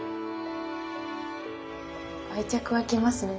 愛着湧きますね